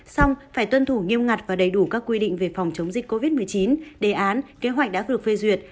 xong phải tuân thủ nghiêm ngặt và đầy đủ các quy định về phòng chống dịch covid một mươi chín đề án kế hoạch đã được phê duyệt